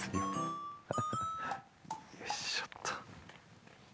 よいしょっと。